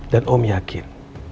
dan om yakin